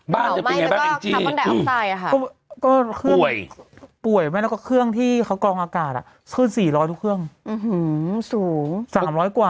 จะเป็นยังไงบ้างป่วยไหมแล้วก็เครื่องที่เขากองอากาศขึ้น๔๐๐ทุกเครื่องสูง๓๐๐กว่า